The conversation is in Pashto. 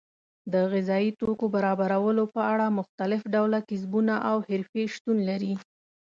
د غذایي توکو برابرولو په اړه مختلف ډول کسبونه او حرفې شتون لري.